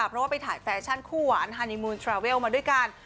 เพราะว่าไปถ่ายแฟชั่นคู่หวานฮานีมูลทราเวลมาด้วยกัน